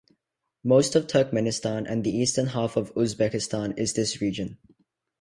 Most of Turkmenistan and the eastern half of Uzbekistan is this region.